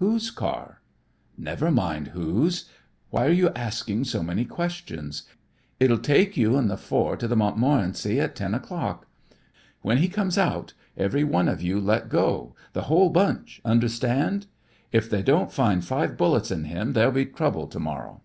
"Whose car?" "Never mind whose. Why're you askin' so many questions? It'll take you an' the four to The Montmorency at ten o'clock. When he comes out every one of you let go, the whole bunch, understand. If they don't find five bullets in him there'll be trouble to morrow."